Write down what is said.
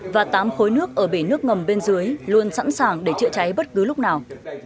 và tám khối nước ở bể nước ngầm bên dưới luôn sẵn sàng để chữa cháy bất cứ lúc nào